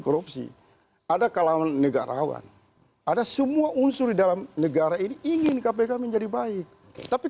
korupsi ada kalangan negarawan ada semua unsur di dalam negara ini ingin kpk menjadi baik tapi